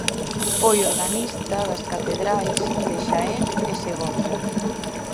Foi organista das catedrais de Xaén e Segovia.